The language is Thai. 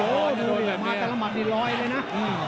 โอ้โหสุริยามาตรรมัดนี่ร้อยเลยนะ